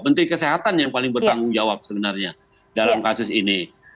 menteri kesehatan yang paling bertanggung jawab sebenarnya dalam kasus ini